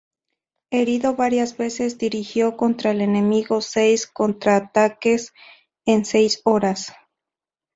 Herido varias veces, dirigió contra el enemigo seis contraataques en seis horas.